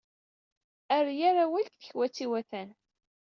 Err yal awal deg tekwat iwatan.